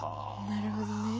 なるほどね。